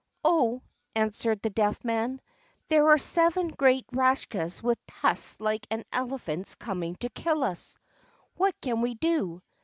"Oh!" answered the Deaf Man, "there are seven great Rakshas with tusks like an elephant's coming to kill us! What can we do?"